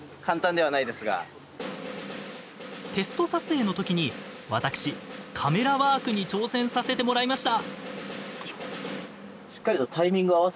テスト撮影の時に私、カメラワークに挑戦させてもらいました。